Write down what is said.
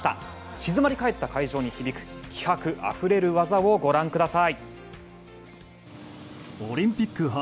静まり返った会場に響く気迫あふれる技をご覧ください。